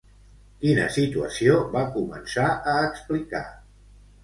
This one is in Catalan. Quina situació va començar a explicar?